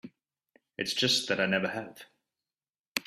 It's just that I never have.